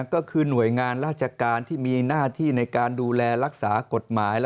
ก็คือหน่วยงานราชการที่มีหน้าที่ในการดูแลรักษากฎหมาย